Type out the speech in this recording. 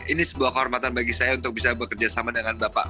ini sebuah kehormatan bagi saya untuk bisa bekerja sama dengan bapak